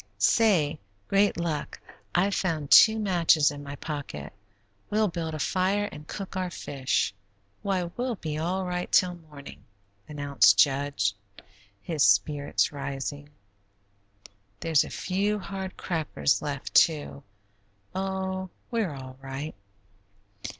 Say, great luck, I've found two matches in my pocket. We'll build a fire and cook our fish. Why, we'll be all right 'til morning," announced Jud, his spirits rising. "There's a few hard crackers left, too. Oh, we're all right."